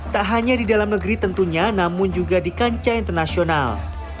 tak hanya di dalam negeri tentunya namun juga di kancah internasional